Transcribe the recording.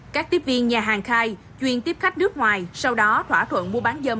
các tiếp viên nhà hàng khai chuyên tiếp khách nước ngoài sau đó thỏa thuận mua bán dâm